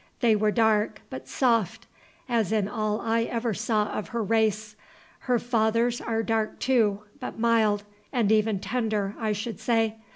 They were dark, but soft, as in all I ever saw of her race. Her father's are dark too, but mild, and even tender, I should say.